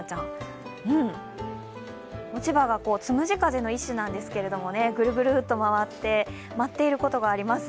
うん、落ち葉がつむじ風の一種なんですけど、グルグルっと回って、舞っていることがあります。